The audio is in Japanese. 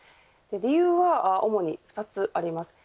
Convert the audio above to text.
理由は主に２つあります。